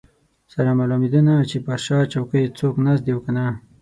سره معلومېده نه چې پر شا څوک ناست دي او که نه.